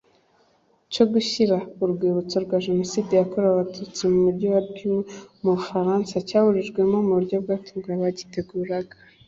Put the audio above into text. cyo gushyira urwibutso rwa jenoside yakorewe Abatutsi mu Mujyi wa Dijon mu Bufaransa cyaburijwemo mu buryo bwatunguye abagiteguraga